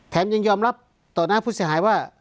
ยังยอมรับต่อหน้าผู้เสียหายว่า